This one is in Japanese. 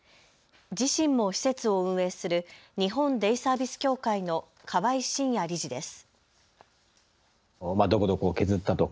自身も施設を運営する日本デイサービス協会の河合眞哉理事です。